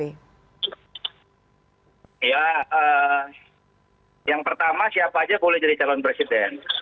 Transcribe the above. ya yang pertama siapa aja boleh jadi calon presiden